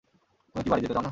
তুমি কি বাড়ি যেতে চাও না?